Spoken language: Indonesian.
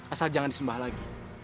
asal jangan disembah lagi